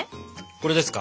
これですか？